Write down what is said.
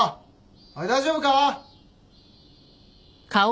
おい大丈夫か？